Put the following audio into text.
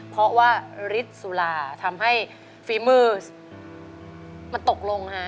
เพราะว่าฤทธิ์สุราทำให้ฝีมือมันตกลงฮะ